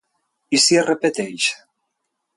I si es repeteix?